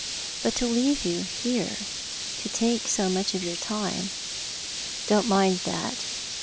" But to leave you here — to take so much of your time." " Don't mind that.